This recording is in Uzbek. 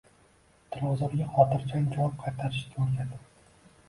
Dilozorga xotirjam javob qaytarishga o'rgating.